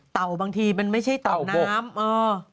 เต่าบางทีมันไม่ใช่เต่าน้ำ